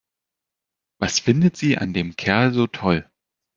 Was findet sie an dem Kerl so toll?